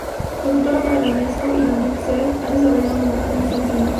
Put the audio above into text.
Consultora para la Unesco y la Unicef, ha desarrollado numerosas misiones en África.